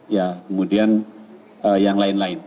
ya kemudian yang lain lain